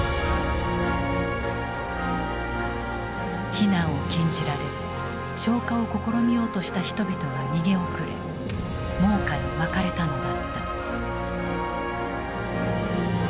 避難を禁じられ消火を試みようとした人々が逃げ遅れ猛火にまかれたのだった。